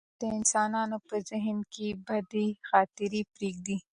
جګړه د انسانانو په ذهن کې بدې خاطرې پرېږدي.